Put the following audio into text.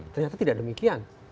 ternyata tidak demikian